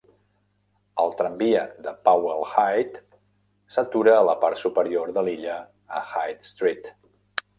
El tramvia de Powell-Hyde s'atura a la part superior de l'illa a Hyde Street.